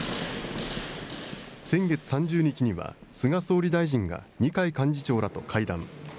先月３０日には、菅総理大臣が二階幹事長らと会談。